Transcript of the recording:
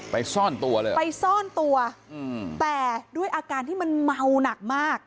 ซ่อนตัวเลยไปซ่อนตัวอืมแต่ด้วยอาการที่มันเมาหนักมาก